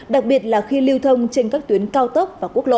đặc biệt là khi lưu thông trên các tuyến cao tốc và quốc lộ